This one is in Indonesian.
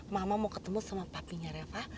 mama mau ketemu sama papinya reva